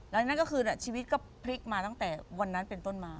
แล้วนั่นก็คือชีวิตก็พลิกมาตั้งแต่วันนั้นเป็นต้นมา